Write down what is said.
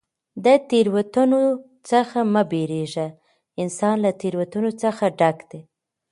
له تېروتنو څخه مه بېرېږه! انسان له تېروتنو څخه ډګ دئ.